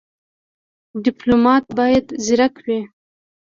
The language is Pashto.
ډيپلومات بايد ځيرک وي.